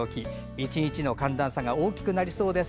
１日の寒暖差が大きくなりそうです。